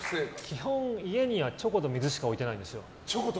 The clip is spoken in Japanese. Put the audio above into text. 基本、家にはチョコと水しか置いてないんですよ。